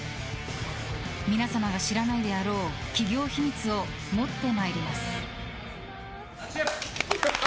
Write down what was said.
皆様が知らないであろう企業秘密を持ってまいります！